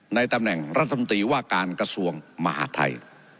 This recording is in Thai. ในตำแหน่งรัฐมนตรีว่าการกระทรวงมหาดไทย